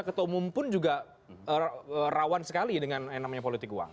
karena ketua umum pun juga rawan sekali dengan yang namanya politik uang